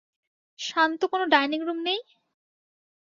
শান্ত কোনো dining room নেই?